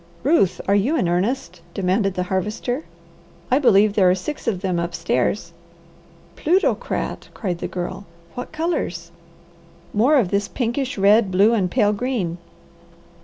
"Ruth, are you in earnest?" demanded the Harvester. "I believe there are six of them upstairs." "Plutocrat!" cried the Girl. "What colours?" "More of this pinkish red, blue, and pale green."